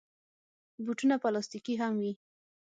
بوټونه پلاستيکي هم وي.